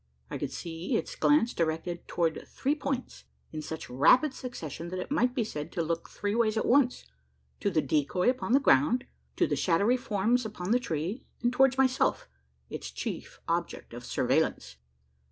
I could see its glance directed towards three points in such rapid succession, that it might be said to look "three ways at once" to the decoy upon the ground, to the shadowy forms upon the tree, and towards myself its chief object of surveillance!